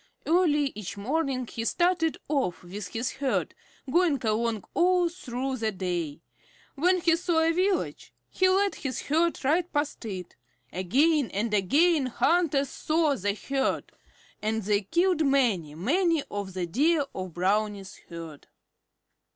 Early each morning he started off with his herd, going along all through the day. When he saw a village, he led his herd right past it. Again and again hunters saw the herd, and they killed many, many of the Deer in Brownie's herd.